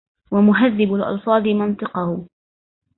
ومهذب الألفاظ منطقه